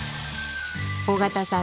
尾形さん